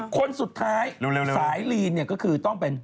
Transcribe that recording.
คนสุดท้ายสายกุลกุลก็คือต้องเป็น